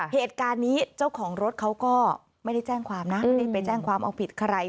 เหตุการณ์นี้เจ้าของรถเขาก็ไม่ได้แจ้งความนะไม่ได้ไปแจ้งความเอาผิดใคร